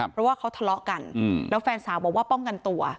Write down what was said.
เพราะว่าเขาทะเลาะกันแล้วแฟนสาวบอกว่าป้องกันตัว